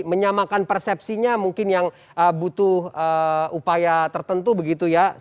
menyamakan persepsinya mungkin yang butuh upaya tertentu begitu ya